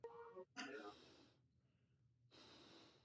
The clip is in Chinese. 朱元璋又派所俘纳哈出部将乃剌吾携带玺书前去谕降。